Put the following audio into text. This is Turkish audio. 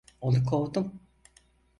Onu kovdum.